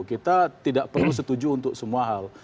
kita tidak perlu setuju untuk semua hal